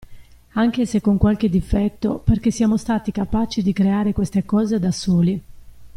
Anche se con qualche difetto, perché siamo stati capaci di creare queste cose da soli.